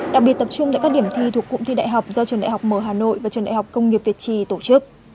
đặc biệt tập trung tại các điểm thi thuộc cụm thi đại học do trường đại học mở hà nội và trường đại học công nghiệp việt trì tổ chức